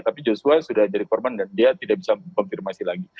tapi joshua sudah jadi korban dan dia tidak bisa mengkonfirmasi lagi